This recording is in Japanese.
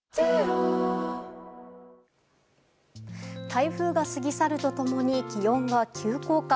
台風が過ぎ去ると共に気温が急降下。